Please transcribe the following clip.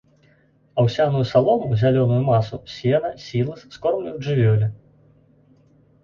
Аўсяную салому, зялёную масу, сена, сілас скормліваюць жывёле.